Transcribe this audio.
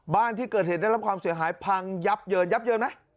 บ้านที่เกิดเหตุได้รับความเสียหายพังยับเยินยับเยินไหม